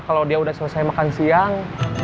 kalau dia sudah selesai makan siang